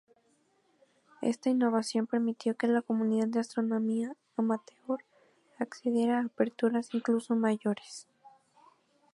Esta innovación permitió que la comunidad de astronomía amateur accediera a aperturas incluso mayores.